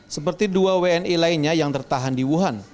seperti dua wni lainnya yang tertahan di wuhan